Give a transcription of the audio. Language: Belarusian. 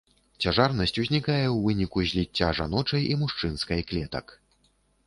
Цяжарнасць узнікае ў выніку зліцця жаночай і мужчынскай клетак.